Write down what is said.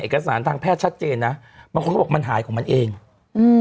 เอกสารทางแพทย์ชัดเจนนะบางคนก็บอกมันหายของมันเองอืม